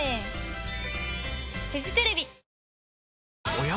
おや？